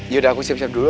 yaudah aku siap siap dulu